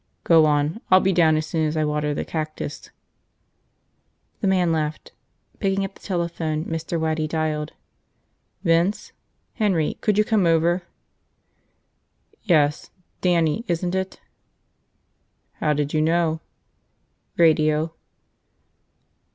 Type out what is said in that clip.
"Go on. I'll be down as soon as I water the cactus." The man left. Picking up the telephone, Mr. Waddy dialed. "Vince? Henry. Could you come over?" "Yes. Dannie, isn't it?" "How did you know?" "Radio."